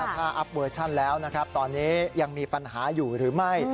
ถ้าอัพเวอร์ชันแล้วนะครับตอนนี้ยังมีปัญหาอยู่หรือไม่